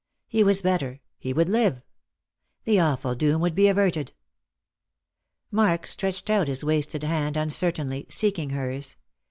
He was better — he would live. The awful doom would be averted. Mark stretched out his wasted hand uncertainly, seeking hers.